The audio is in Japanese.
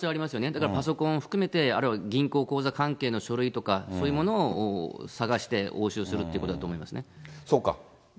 だからパソコン含めて、あるいは銀行口座関係の書類とか、そういうものを捜して、押収するっていうことだと思いますよね。